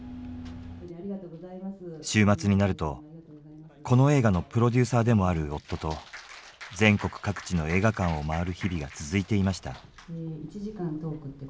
週末になるとこの映画のプロデューサーでもある夫と全国各地の映画館をまわる日々が続いていました。